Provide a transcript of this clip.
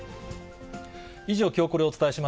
以上、きょうコレをお伝えし